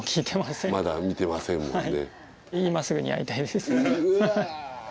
ちなみにまだ見てませんもんね。